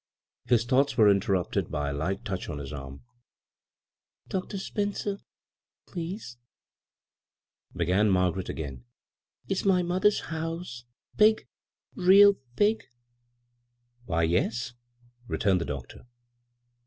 His thoughts were in terrupted by a light touch on his arm. b, Google CROSS CURRENTS " Dr. Spencer, please," began Margaret again, "is my mother's house bigP^real big?" " Why — yes," returned the doctor.